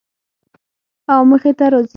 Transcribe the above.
او مخې ته راځي